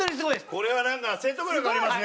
これはなんか説得力ありますね。